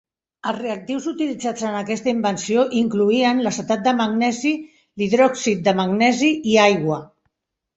Els reactius utilitzats en aquesta invenció incloïen l'acetat de magnesi, l'hidròxid de magnesi i aigua.